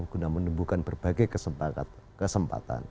guna menemukan berbagai kesempatan